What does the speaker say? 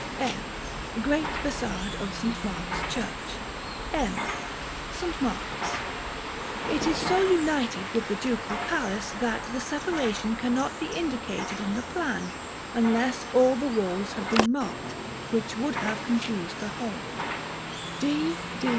F F. Great Façade of St. Mark's Church. M. St. Mark's. (It is so united with the Ducal Palace, that the separation cannot be indicated in the plan, unless all the walls had been marked, which would have confused the whole.)